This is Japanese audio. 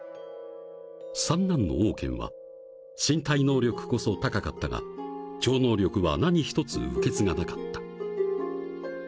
［三男のオウケンは身体能力こそ高かったが超能力は何一つ受け継がなかった］